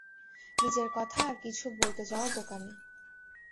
নিজের কথা আর কিছু বলতে যাওয়া বোকামি।